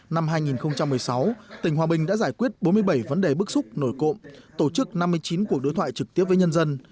năm hai nghìn một mươi sáu tỉnh hòa bình đã giải quyết bốn mươi bảy vấn đề bức xúc nổi cộm tổ chức năm mươi chín cuộc đối thoại trực tiếp với nhân dân